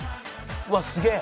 うわすげえ！